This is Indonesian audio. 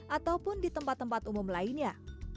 ataupun di tempat tempat umum lainnya